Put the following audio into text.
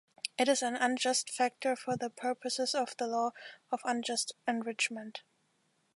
It is an 'unjust factor' for the purposes of the law of unjust enrichment.